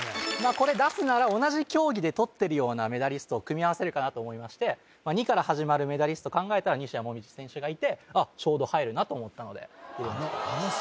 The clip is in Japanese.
これ出すなら同じ競技でとってるようなメダリストを組み合わせるかなと思いまして「に」から始まるメダリスト考えたら西矢椛選手がいてあっちょうど入るなと思ったので入れました